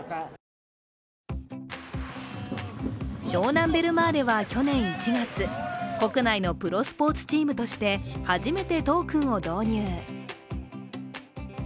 湘南ベルマーレは去年１月、国内のプロスポーツチームとして初めてトークンを導入。